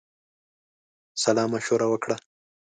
سالامشوره وکړي.